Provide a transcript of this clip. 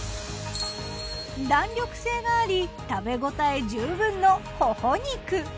弾力性があり食べ応え十分のほほ肉。